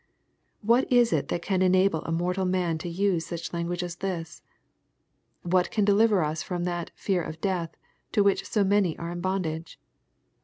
What is it that can enable a mortal man to use such language as this ? What can deliver us from that '*fear of death" to which so many are in bondage